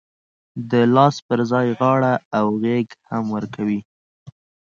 د لاس پر ځای غاړه او غېږ هم ورکوي.